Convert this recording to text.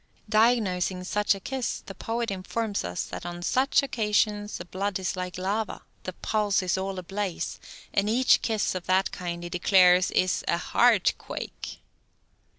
Diagnosing such a kiss, the poet informs us that on such occasions the blood is like lava, the pulse is all ablaze, and each kiss of that kind he declares is a "heart quake."